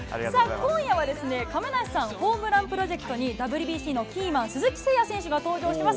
今夜は亀梨さん、ホームランプロジェクトに、ＷＢＣのキーマン、鈴木誠也選手が登場します。